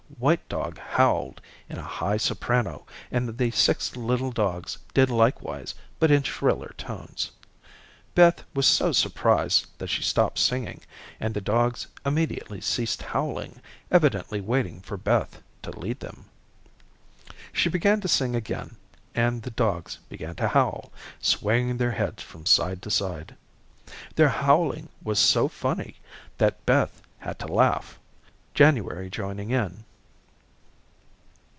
White dog howled in a high soprano and the six little dogs did likewise, but in shriller tones. Beth was so surprised that she stopped singing, and the dogs immediately ceased howling, evidently waiting for Beth to lead them. She began to sing again, and the dogs began to howl, swaying their heads from side to side. Their howling was so funny that Beth had to laugh, January joining in.